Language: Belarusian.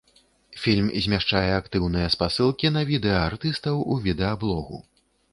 Фільм змяшчае актыўныя спасылкі на відэа артыстаў у відэаблогу.